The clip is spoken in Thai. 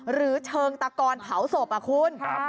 หรือเชิงตะกอนเผาศพอ่ะคุณ